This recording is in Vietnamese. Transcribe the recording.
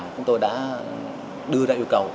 chúng tôi đã đưa ra yêu cầu